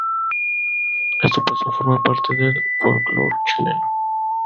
Esto pasó a formar parte del folclore chileno.